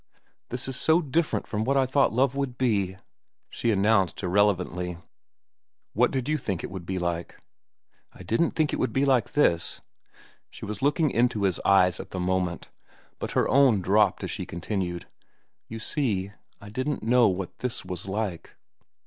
"This is so different from what I thought love would be," she announced irrelevantly. "What did you think it would be like?" "I didn't think it would be like this." She was looking into his eyes at the moment, but her own dropped as she continued, "You see, I didn't know what this was like."